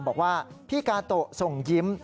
บอกว่าพี่กาโตะส่งยิ้ม